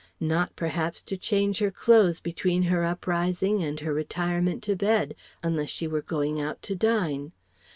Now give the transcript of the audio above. Not, perhaps, to change her clothes, between her uprising and her retirement to bed, unless she were going out to dine.